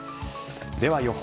では予報。